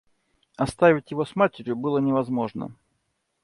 Оставить его с матерью было невозможно.